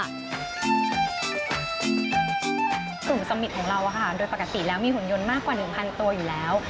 กลุ่มสุ่มิตของเราโดยปกติแล้วมีหุ่นยนต์มากกว่า๑๐๐ตัวอยู่แล้ว